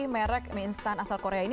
merek mi instant asal korea ini